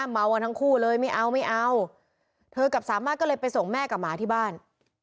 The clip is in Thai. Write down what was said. เมากันทั้งคู่เลยไม่เอาไม่เอาเธอกับสามารถก็เลยไปส่งแม่กับหมาที่บ้าน